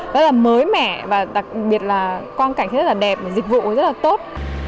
rất là mới mẻ và đặc biệt là quan cảnh rất là đẹp và dịch vụ rất là tốt